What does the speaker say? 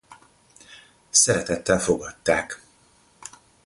Szeretettel fogadták.